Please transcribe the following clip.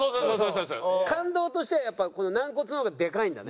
感動としてはやっぱこの軟骨の方がでかいんだね。